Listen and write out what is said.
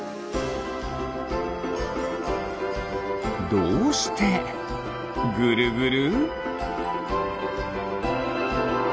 どうしてぐるぐる？